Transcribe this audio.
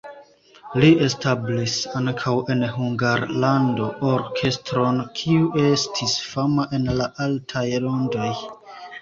Li establis ankaŭ en Hungarlando orkestron, kiu estis fama en la altaj rondoj.